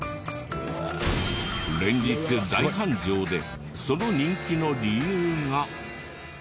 連日大繁盛でその人気の理由が。